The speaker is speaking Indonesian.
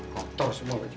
kotor semua baju